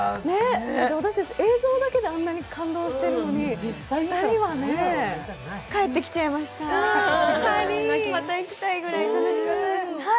私たち映像であんなに感動してるのに、２人はねえ。帰って来ちゃいましたまた行きたいぐらい楽しかったです。